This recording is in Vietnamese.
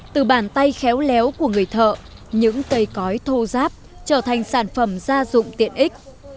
từ bàn tay khéo léo của người thợ những cây cói thô giáp trở thành sản phẩm gia dụng tiện ích